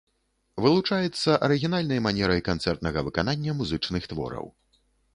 Вылучаецца арыгінальнай манерай канцэртнага выканання музычных твораў.